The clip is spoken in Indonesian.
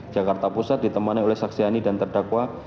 jakarta pusat ditemani oleh saksi ani dan terdakwa